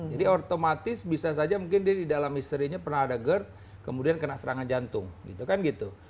jadi otomatis bisa saja mungkin dia di dalam history nya pernah ada gerd kemudian kena serangan jantung gitu kan gitu